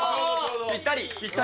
ぴったり。